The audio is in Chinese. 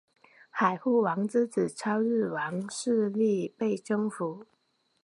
海护王之子超日王势力被征服。